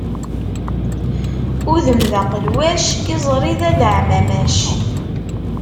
Udem d aqelwac, iẓṛi d adaɛmamac.